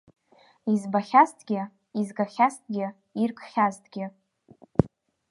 Избахьа-зҭгьы, изгахьазҭгьы, иркхьа-зҭгьы.